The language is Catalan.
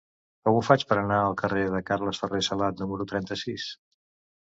Com ho faig per anar al carrer de Carles Ferrer Salat número trenta-sis?